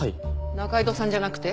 仲井戸さんじゃなくて？